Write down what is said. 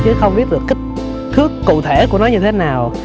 chứ không biết được kích thước cụ thể của nó như thế nào